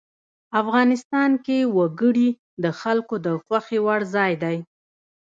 افغانستان کې وګړي د خلکو د خوښې وړ ځای دی.